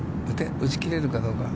打ち切れるかどうか。